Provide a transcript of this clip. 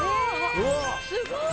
すごい。